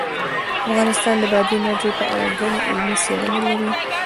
افغانستان د بادي انرژي په اړه ګڼې علمي څېړنې لري.